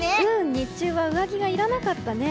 日中は上着がいらなかったね。